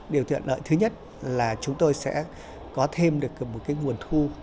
điều thuận lợi thứ nhất là chúng tôi sẽ có thêm được nguồn thu